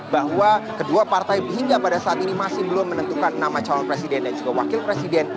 bahwa kedua partai hingga pada saat ini masih belum menentukan nama calon presiden dan juga wakil presiden